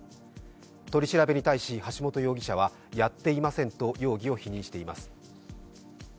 取り調べに対し、橋本容疑者はやっていませんと容疑を否認しています。